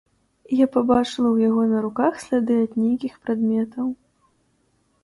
І я пабачыла ў яго на руках сляды ад нейкіх прадметаў.